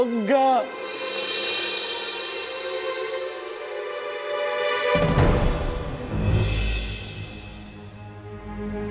semoga afif gak menyesal